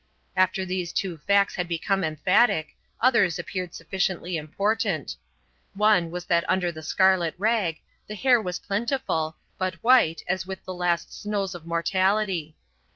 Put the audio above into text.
After these two facts had become emphatic, others appeared sufficiently important. One was that under the scarlet rag the hair was plentiful, but white as with the last snows of mortality.